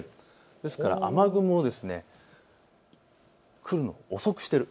ですから雨雲が来るの遅くしている。